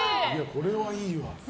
これはいいよ。